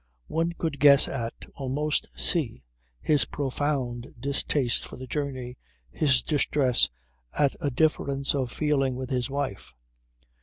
One could guess at, almost see, his profound distaste for the journey, his distress at a difference of feeling with his wife.